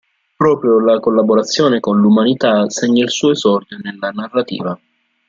Proprio la collaborazione con "L'Umanità" segna il suo esordio nella narrativa.